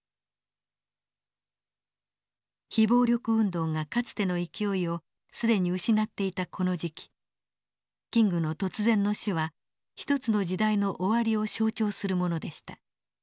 非暴力運動がかつての勢いを既に失っていたこの時期キングの突然の死は一つの時代の終わりを象徴するものでした。